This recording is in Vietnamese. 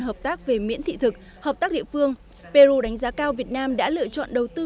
hợp tác về miễn thị thực hợp tác địa phương peru đánh giá cao việt nam đã lựa chọn đầu tư